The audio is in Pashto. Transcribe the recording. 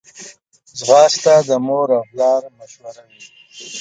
ځغاسته د مور او پلار مشوره وي